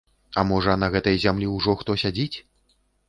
А можа, на гэтай зямлі ўжо хто сядзіць?